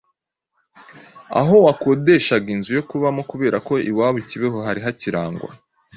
aho wakodeshaga inzu yo kubamo kubera ko iwabo i Kibeho hari hakirangw